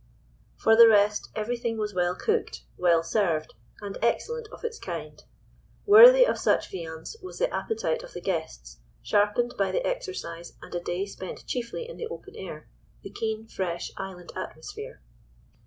For the rest, everything was well cooked, well served, and excellent of its kind. Worthy of such viands was the appetite of the guests, sharpened by the exercise and a day spent chiefly in the open air, the keen, fresh, island atmosphere.